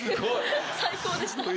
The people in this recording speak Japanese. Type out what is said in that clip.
最高でした。